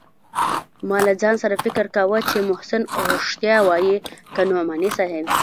ما له ځان سره فکر کاوه چې محسن رښتيا وايي که نعماني صاحب.